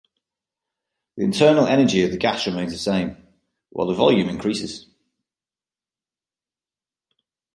The internal energy of the gas remains the same, while the volume increases.